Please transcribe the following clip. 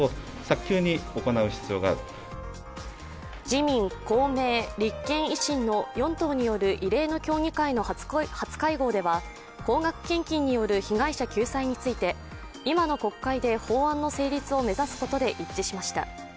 自民、公明、立憲、維新の４党による異例の協議会の初会合では、高額献金による被害者救済について、今の国会で法案の成立を目指すことで一致しました。